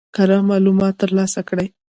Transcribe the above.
کره معلومات ترلاسه کړي.